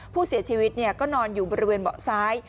ผู้เสียชีวิตก็นอนอยู่บริเวณเบาะซ้าย